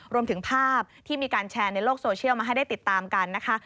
รวมถึงภาพที่มีการแชร์ในโลกโซเชียลมาให้ได้ติดตามกันนะคะ